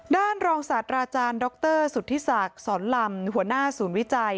รองศาสตราจารย์ดรสุธิศักดิ์สอนลำหัวหน้าศูนย์วิจัย